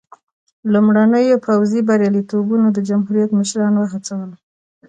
لومړنیو پوځي بریالیتوبونو د جمهوریت مشران وهڅول.